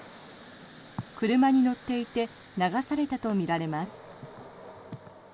車に乗っていて流されたとみられます。